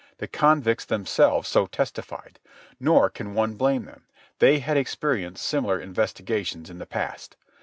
The convicts themselves so testified. Nor can one blame them. They had experienced similar investigations in the past.